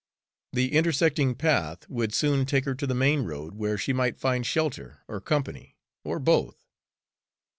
The intersecting path would soon take her to the main road, where she might find shelter or company, or both.